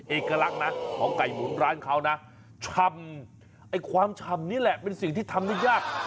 เอกลักษณ์นะของไก่หมุนร้านเขานะชำไอ้ความชำนี่แหละเป็นสิ่งที่ทำได้ยาก